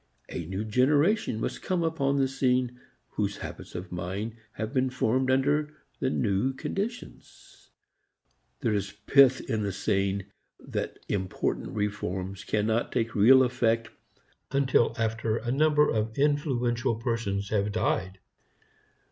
A new generation must come upon the scene whose habits of mind have been formed under the new conditions. There is pith in the saying that important reforms cannot take real effect until after a number of influential persons have died.